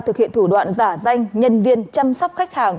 thực hiện thủ đoạn giả danh nhân viên chăm sóc khách hàng